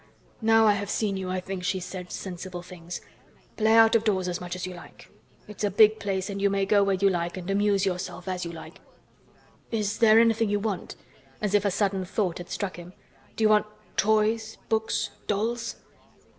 Now I have seen you I think she said sensible things. Play out of doors as much as you like. It's a big place and you may go where you like and amuse yourself as you like. Is there anything you want?" as if a sudden thought had struck him. "Do you want toys, books, dolls?"